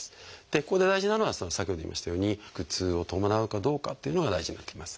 ここで大事なのは先ほど言いましたように腹痛を伴うかどうかっていうのが大事になってきます。